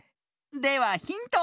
ではヒント。